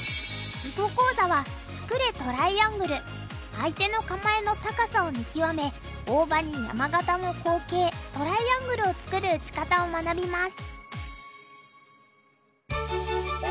相手の構えの高さを見極め大場に山型の好形トライアングルを作る打ち方を学びます。